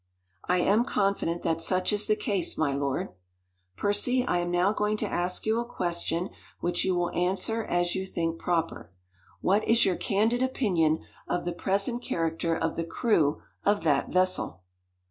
"I am confident that such is the case, my lord." "Percy, I am now going to ask you a question which you will answer as you think proper. What is your candid opinion of the present character of the crew of that vessel?"